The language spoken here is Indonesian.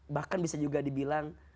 bahkan bisa juga dibilang